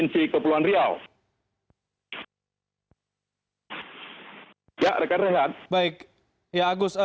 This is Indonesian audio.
yang kedua diadakan oleh kapolri yaitu jenderal tito karnavia pada sore hari